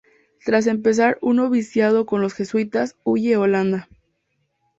Tras empezar un noviciado con los jesuitas, huye a Holanda.